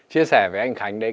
chia sẻ với anh khánh đấy